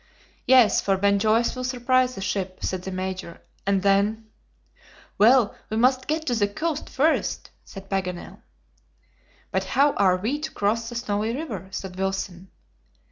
"Yes, for Ben Joyce will surprise the ship," said the Major, "and then " "Well, we must get to the coast first," said Paganel. "But how are we to cross the Snowy River?" said Wilson.